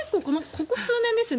ここ数年ですよね。